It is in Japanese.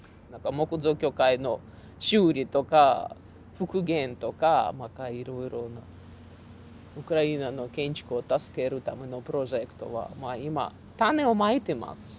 木造教会の修理とか復元とかまたいろいろなウクライナの建築を助けるためのプロジェクトは今種をまいてますし。